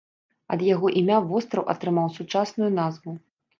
Ад яго імя востраў атрымаў сучасную назву.